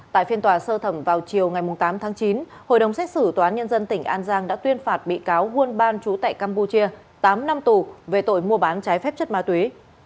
tại phiên tòa sơ thẩm vào chiều ngày tám tháng chín hội đồng xét xử tòa án nhân dân tỉnh an giang đã tuyên phạt bị cáo won ban chú tại campuchia tám năm tù về tội mua bán trái phép chất ma túy